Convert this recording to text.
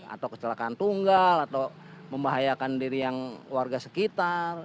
atau kecelakaan tunggal atau membahayakan diri yang warga sekitar